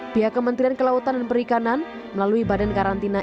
pihak kementerian kelautan dan perikanan melalui badan karantina